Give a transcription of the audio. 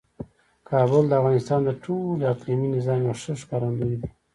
کابل د افغانستان د ټول اقلیمي نظام یو ښه ښکارندوی دی.